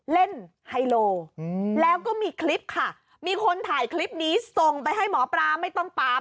ไฮโลแล้วก็มีคลิปค่ะมีคนถ่ายคลิปนี้ส่งไปให้หมอปลาไม่ต้องปาม